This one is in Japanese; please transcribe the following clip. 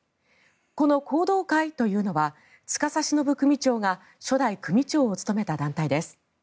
この弘道会というのは司忍組長が初代組長を務めた団体です。